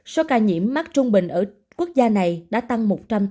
số ca nhiễm mắc trung bình ở quốc gia này đã tăng một